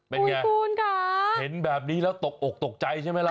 เป็นไงเป็นแบบนี้แล้วตกออกตกใจใช่ไหมล่ะ